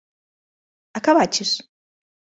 Acabaches?